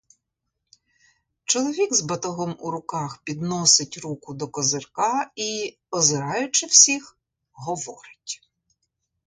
Чоловік з батогом у руках підносить руку до козирка і, озираючи всіх, говорить.